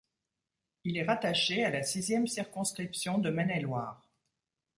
Il est rattaché à la sixième circonscription de Maine-et-Loire.